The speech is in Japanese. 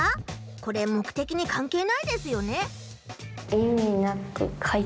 これ目的にかんけいないですよね。